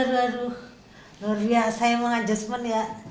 aduh luar biasa emang adjustment ya